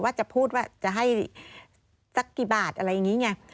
ว่าจะพูดว่าจะให้สักกี่บาทอะไรอย่างนี้ไง